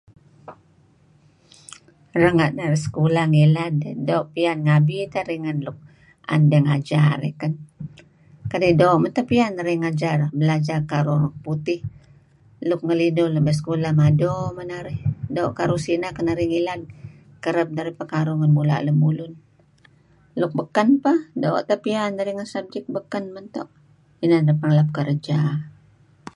Renga' narih sekolah ngilad doo' piyan ngabi tah narih ngen tuen deh ngajar. Kadi' doo' ayu' teh pian narih belajar Kkaruh Orang Putih. Nuk ngelinuh may sekolah mado man narih. Doo' karuh sineh kan narih ngilad kereb naih pekaruh ngen mula' lemulun. Luk baken pah doo' teh pian narih ngen subject baken meto' inan narih ngalap kerja.